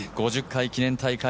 ５０回記念大会